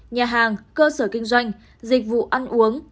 nhà hàng cơ sở kinh doanh dịch vụ ăn uống